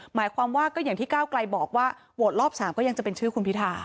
หมายความว่าก็อย่างที่ก้าวไกลบอกว่าโหวตรอบ๓ก็ยังจะเป็นชื่อคุณพิธา